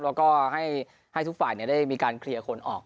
แล้วก็ให้ทุกฝ่ายได้มีการเคลียร์คนออก